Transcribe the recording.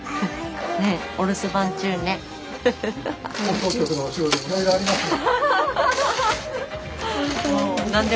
放送局のお仕事もいろいろありますね。